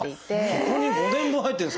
そこに５年分入ってるんですか！？